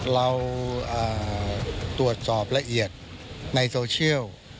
เราตรวจสอบละเอียดในโซเชียล